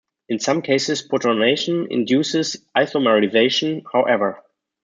In some cases protonation induces isomerization, however.